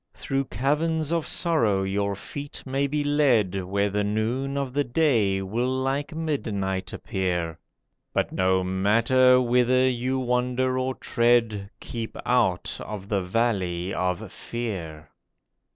Through caverns of sorrow your feet may be led, Where the noon of the day will like midnight appear. But no matter whither you wander or tread, Keep out of the Valley of Fear.